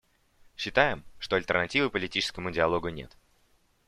Считаем, что альтернативы политическому диалогу нет.